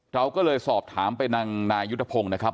เราก็เลยสอบถามไปนางนายุทธพงศ์นะครับ